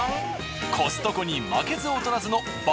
コストコに負けず劣らずの爆